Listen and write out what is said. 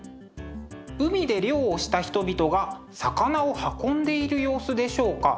海で漁をした人々が魚を運んでいる様子でしょうか？